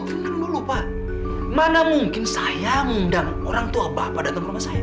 tengok dulu pak mana mungkin saya mengundang orang tua bapak dan teman rumah saya